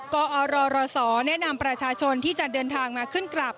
กอรศแนะนำประชาชนที่จะเดินทางมาขึ้นกลับ